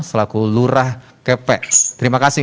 selaku lurah kepe terima kasih